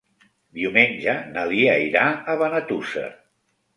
Diumenge na Lia irà a Benetússer.